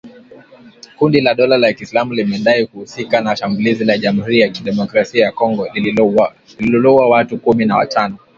Kundi la Dola ya kiislamu limedai kuhusika na shambulizi la Jamhuri ya kidemokrasia ya Kongo lililouwa watu kumi na watano.